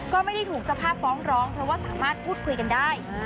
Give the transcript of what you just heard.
ก็ไม่ได้ถูกเจ้าภาพฟ้องร้องเพราะว่าสามารถพูดคุยกันได้